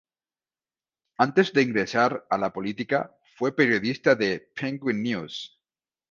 Antes de ingresar a la política, fue periodista de "Penguin News".